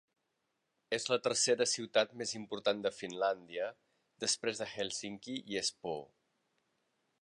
És la tercera ciutat més important de Finlàndia després de Hèlsinki i Espoo.